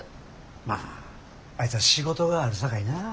まああいつは仕事があるさかいな。